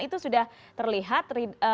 itu sudah terlihat